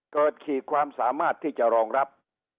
ขีดความสามารถที่จะรองรับ